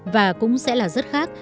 và cũng sẽ là rất khác